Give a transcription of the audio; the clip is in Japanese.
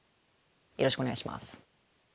よろしくお願いします。